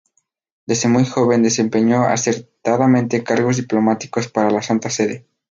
Desde muy joven desempeñó acertadamente cargos diplomáticos para la Santa Sede.